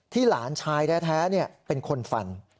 ที่หลานชายแท้เนี่ยเป็นคนฟัน